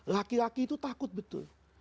laki laki itu takut betul